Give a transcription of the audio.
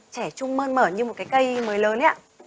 trẻ trung mơn mở như một cái cây mới lớn